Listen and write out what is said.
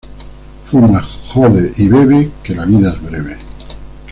Fuma, jode y bebe, que la vida es breve